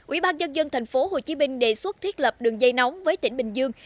ủy ban dân dân thành phố hồ chí minh đề xuất thiết lập đường dây nóng với tỉnh bình dương